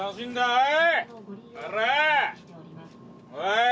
おい！